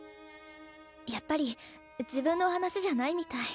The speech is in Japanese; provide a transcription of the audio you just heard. やっぱり自分の話じゃないみたい。